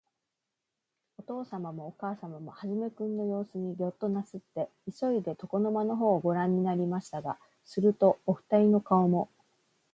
おとうさまもおかあさまも、始君のようすにギョッとなすって、いそいで、床の間のほうをごらんになりましたが、すると、おふたりの顔も、